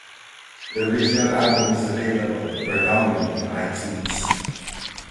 The original album is available for download on iTunes.